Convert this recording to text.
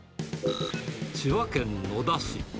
千葉県野田市。